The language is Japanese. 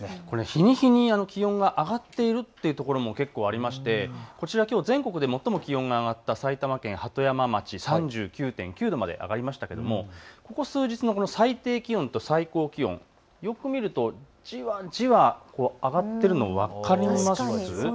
日に日に気温が上がっているというところも結構ありましてこちらきょう全国で最も気温が上がった埼玉県鳩山町で３９．９度まで上がりましたけれどもここも最低気温と最高気温、じわじわ上がっているのが分かりますか。